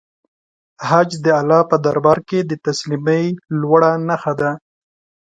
حج د الله په دربار کې د تسلیمۍ لوړه نښه ده.